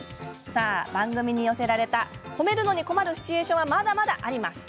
さあ、番組に寄せられた褒めるのに困るシチュエーションはまだまだあります。